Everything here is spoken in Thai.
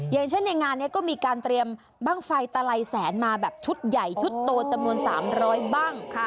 อย่างเช่นในงานนี้ก็มีการเตรียมบ้างไฟตะไลแสนมาแบบชุดใหญ่ชุดโตจำนวน๓๐๐บ้าง